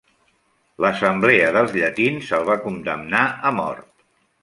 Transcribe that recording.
L'assemblea dels llatins el va condemnar a mort.